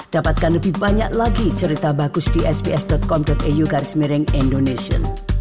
dapatkan lebih banyak lagi cerita bagus di sbs com au garis mereng indonesia